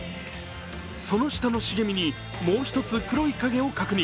その下の茂みにもう１つ、黒い影を確認。